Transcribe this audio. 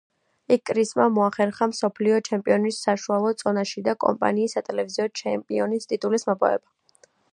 იქ კრისმა მოახერხა მსოფლიო ჩემპიონის საშუალო წონაში და კომპანიის სატელევიზიო ჩემპიონის ტიტულის მოპოვება.